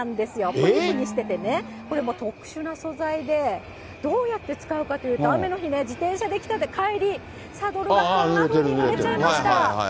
こういうふうにしててね、これ、もう特殊な素材で、どうやって使うかというと、雨の日ね、自転車で来た帰り、サドルがこんなふうに濡れちゃいました。